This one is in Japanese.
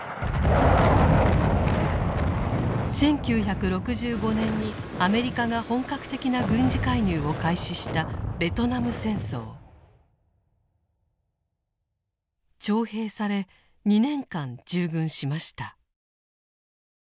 １９６５年にアメリカが本格的な軍事介入を開始した徴兵され２年間従軍しました。